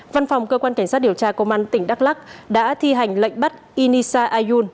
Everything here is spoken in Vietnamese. văn phòng cơ quan cảnh sát điều tra công an tỉnh đắk lắc đã thi hành lệnh bắt inisa ayun